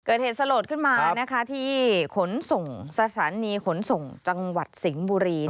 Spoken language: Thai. เกิดเหตุสลดขึ้นมาที่ขนส่งสถานีขนส่งจังหวัดสิงห์บุรี